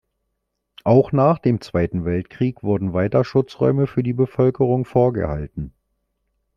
Auch nach dem Zweiten Weltkrieg wurden weiter Schutzräume für die Bevölkerung vorgehalten.